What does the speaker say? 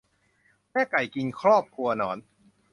แม่ไก่กินครอบครัวหนอน